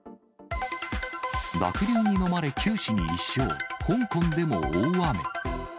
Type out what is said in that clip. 濁流にのまれ九死に一生、香港でも大雨。